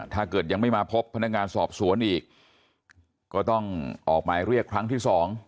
ถ้าเกิดยังไม่มาพบพนักงานสอบสวนอีกก็ต้องออกหมายเรียกครั้งที่๒